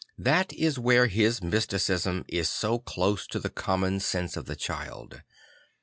That is w here his mysticism is so close to the common sense of the child.